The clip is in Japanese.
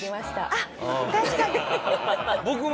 あっ確かに。